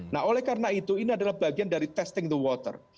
nah oleh karena itu ini adalah bagian dari testing the water